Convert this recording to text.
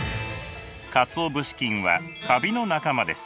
かつお節菌はカビの仲間です。